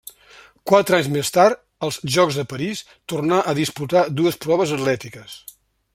Quatre anys més tard, als Jocs de París, tornà a disputar dues proves atlètiques.